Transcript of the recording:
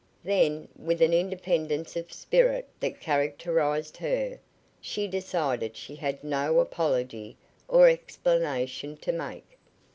Then, with an independence of spirit that characterized her, she decided she had no apology or explanation to make.